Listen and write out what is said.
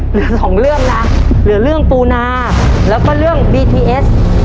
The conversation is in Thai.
เหลือสองเรื่องนะเหลือเรื่องปูนาแล้วก็เรื่องบีทีเอส